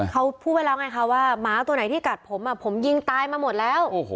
เขาพูดไว้แล้วไงคะว่าหมาตัวไหนที่กัดผมผมยิงตายมาหมดแล้ว